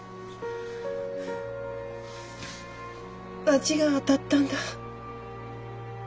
罰が当たったんだ。